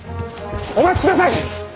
お待ちください！